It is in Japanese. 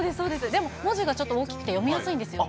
でも文字がちょっと大きくて、読みやすいんですよ。